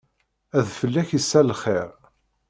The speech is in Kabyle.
Ad fell-ak isal xiṛ.